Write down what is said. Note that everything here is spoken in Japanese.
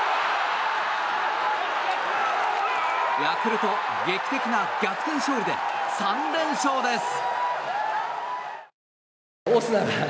ヤクルト、劇的な逆転勝利で３連勝です！